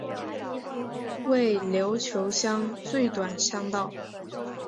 为琉球乡最短乡道。